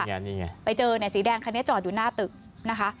นี่ไงนี่ไงไปเจอเนี่ยสีแดงคันนี้จอดอยู่หน้าตึกนะคะ